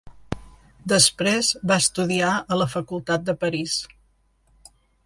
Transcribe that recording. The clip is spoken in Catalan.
Després va estudiar a la Facultat de París.